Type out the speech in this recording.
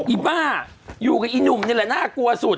อีบ้าอยู่กับอีหนุ่มนี่แหละน่ากลัวสุด